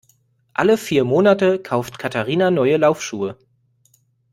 Alle vier Monate kauft Katharina neue Laufschuhe.